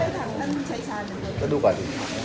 ขออนุญาตขอบคุณครับ